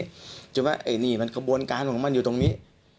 ใช่ไหมไอ้นี่มันกระบวนการของมันอยู่ตรงนี้